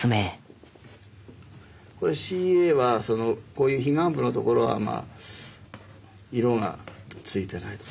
これＣＥＡはこういう非ガン部のところはまあ色がついてないです。